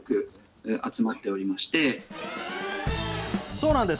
そうなんです。